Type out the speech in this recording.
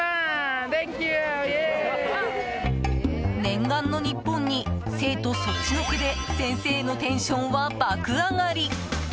念願の日本に生徒そっちのけで先生のテンションは爆上がり！